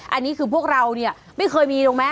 อันนี้คือพวกเราเนี่ยไม่เคยมีถูกไหม